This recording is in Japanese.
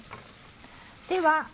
では